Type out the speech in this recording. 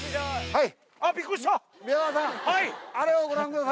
はい。